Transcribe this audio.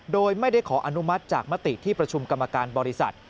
โดยไม่ได้ขออนุมัติจากมติที่ประชุมกรรมการบริษัท